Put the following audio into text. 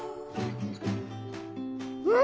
うん！